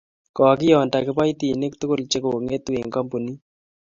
kokionda kiboitinik tugul che kong'etu eng' kampunit